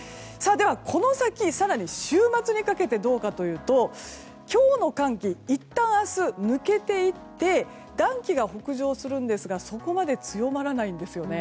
この先、週末にかけて今日の寒気いったん明日抜けていって暖気が北上するんですがそこまで強まらないんです。